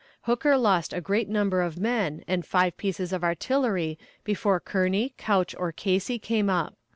Hooker lost a great number of men and five pieces of artillery before Kearney, Couch or Casey came up.